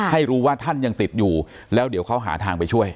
ให้รู้ว่าท่านยังติดอยู่แล้วเดี๋ยวเขาหาทางไปช่วย